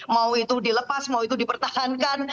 mau itu dilepas mau itu dipertahankan